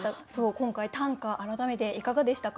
今回短歌改めていかがでしたか？